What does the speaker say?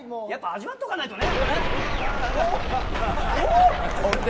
味わっておかないとね。